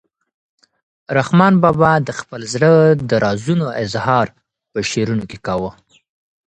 رحمان بابا د خپل زړه د رازونو اظهار په شعرونو کې کاوه.